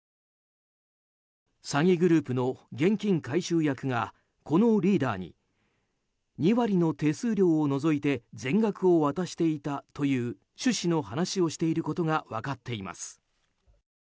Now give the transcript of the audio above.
詐欺グループの現金回収役がこのリーダーに２割の手数料を除いて全額を渡していたという趣旨の話をしていることが分かっています。